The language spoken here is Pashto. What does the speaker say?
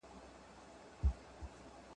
هتکړۍ به دي تل نه وي ,